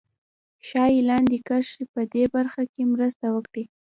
ښایي لاندې کرښې په دې برخه کې مرسته وکړي